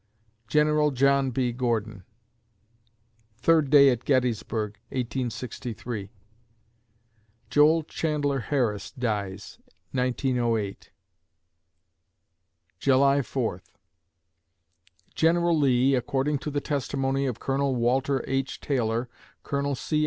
GENERAL JOHN B. GORDON Third day at Gettysburg, 1863 Joel Chandler Harris dies, 1908 July Fourth General Lee, according to the testimony of Colonel Walter H. Taylor, Colonel C.